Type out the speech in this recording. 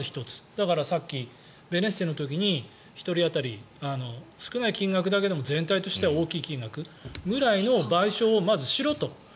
だから、さっきベネッセの時に１人当たり少ない金額だけど全体としては大きい金額ぐらいの賠償をまずしろと。